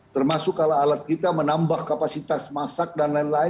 termasuk kalau alat kita menambah kapasitas masak dan lain lain